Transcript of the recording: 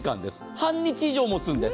半日以上持つんです。